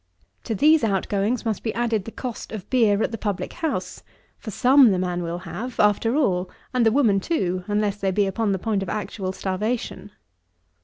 To these outgoings must be added the cost of beer at the public house; for some the man will have, after all, and the woman too, unless they be upon the point of actual starvation.